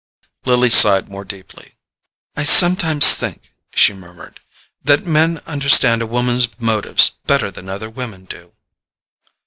Lily sighed more deeply. "I sometimes think," she murmured, "that men understand a woman's motives better than other women do."